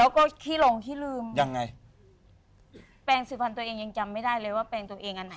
ก็คิดลงที่ลืมยังไงแปรงสื่อพันธ์ตัวเองยังจำไม่ได้เลยว่าแปรงตัวเองอันไหน